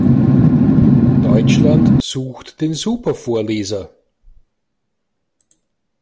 Deutschland sucht den Supervorleser!